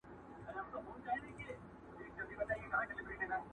ما د زهرو پیاله نوش کړه د اسمان استازی راغی!!